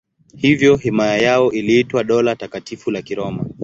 Hivyo himaya yao iliitwa Dola Takatifu la Kiroma.